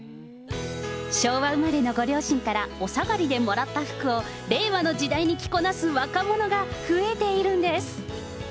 昭和生まれのご両親からおさがりでもらった服を令和の時代に着こなす若者が増えているんです。